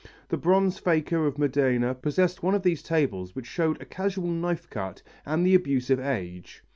The bronze faker of Modena possessed one of these tables which showed a casual knife cut and the abuse of age.